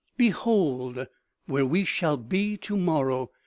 " Behold, where we shall be tomorrow